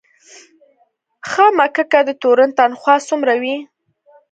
آ ښه مککه، د تورن تنخواه څومره وي؟